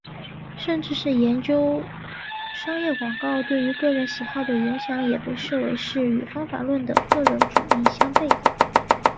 甚至是研究商业广告对于个人喜好的影响也被视为是与方法论的个人主义相背的。